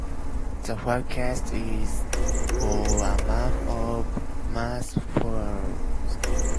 The forecast is for a month of harsh frosts.